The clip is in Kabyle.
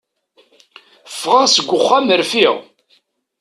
Fɣeɣ seg uxxam rfiɣ.